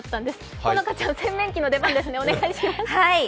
好花ちゃん、洗面器の出番ですね、お願いします。